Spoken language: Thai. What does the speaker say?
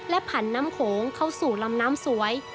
ผันน้ำโขงเข้าสู่ลำน้ำสวย